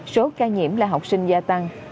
số ca nhiễm là học sinh gia tăng